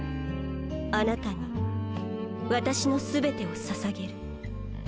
あなたに私の全てをささげる。